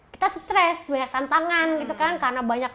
kita stres banyak tantangan gitu kan karena banyak